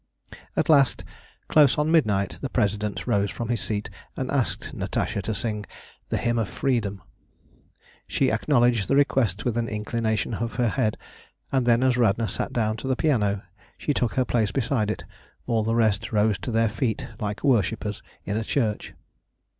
At last, close on midnight, the President rose from his seat and asked Natasha to sing the "Hymn of Freedom." She acknowledged the request with an inclination of her head, and then as Radna sat down to the piano, and she took her place beside it, all the rest rose to their feet like worshippers in a church.